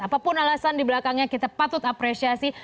apapun alasan di belakangnya kita patut apresiasi